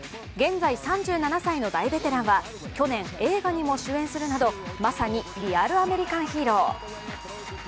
現在３７歳の大ベテランは去年、映画にも主演するなどまさにリアルアメリカンヒーロー。